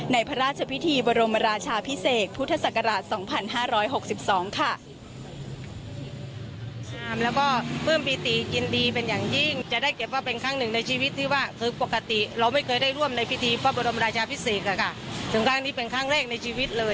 พระราชพิธีบรมราชาพิเศษพุทธศักราช๒๕๖๒ค่ะ